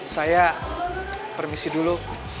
saya permisi dulu